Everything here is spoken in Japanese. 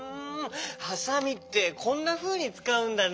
ハサミってこんなふうにつかうんだね。